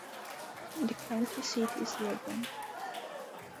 The county seat is Logan.